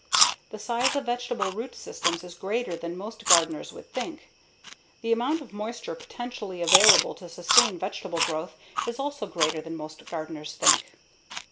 The size of vegetable root systems is greater than most gardeners would think. The amount of moisture potentially available to sustain vegetable growth is also greater than most gardeners think.